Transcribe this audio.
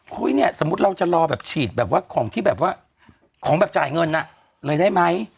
เนี่ยสมมุติเราจะรอแบบฉีดแบบว่าของที่แบบว่าของแบบจ่ายเงินเลยได้ไหม